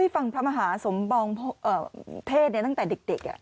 ฟังพระมหาสมปองเทศตั้งแต่เด็ก